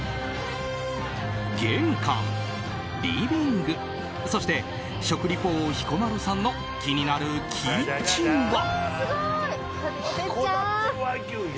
玄関、リビングそして食リポ王・彦摩呂さんの気になるキッチンは？